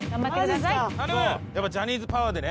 やっぱジャニーズパワーでね。